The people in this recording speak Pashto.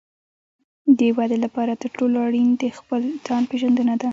د ودې لپاره تر ټولو اړین د خپل ځان پېژندنه ده.